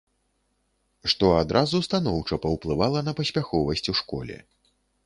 Што адразу станоўча паўплывала на паспяховасць у школе.